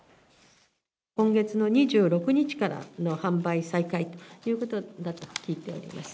今月の２６日からの販売再開ということだと聞いております。